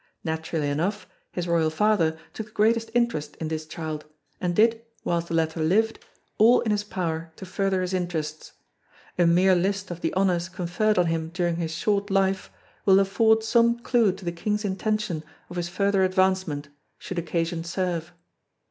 Naturally enough his royal father took the greatest interest in this child and did, whilst the latter lived, all in his power to further his interests. A mere list of the honours conferred on him during his short life will afford some clue to the King's intention of his further advancement, should occasion serve.